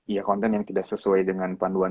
iya konten yang tidak sesuai dengan panduan